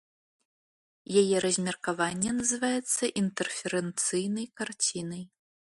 Яе размеркаванне называецца інтэрферэнцыйнай карцінай.